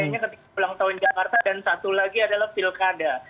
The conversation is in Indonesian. makanya ketika ulang tahun jakarta dan satu lagi adalah pilkada